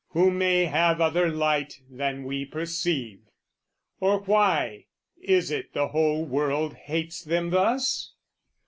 "Who may have other light than we perceive, "Or why is it the whole world hates them thus?"